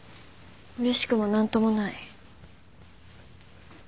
うれしくも何ともない。